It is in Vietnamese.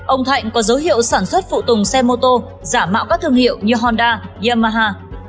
ông thạnh có dấu hiệu sản xuất phụ tùng xe mô tô giả mạo các thương hiệu như honda yamaha